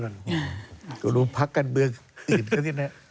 อเจมส์ก็รู้พักกันเมืองติดก็นิดนึง